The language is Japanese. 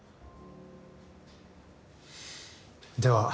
では。